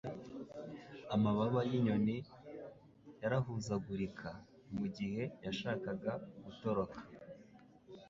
Amababa yinyoni yarahuzagurika mugihe yashakaga gutoroka